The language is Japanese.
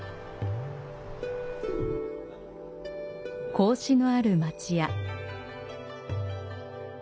格子のある町家。